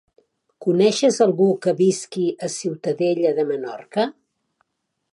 Coneixes algú que visqui a Ciutadella de Menorca?